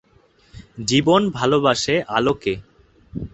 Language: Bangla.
জীবন ভালোবাসে আলোকে।